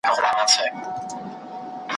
هم د سپيو هم سړيو غالمغال دئ ,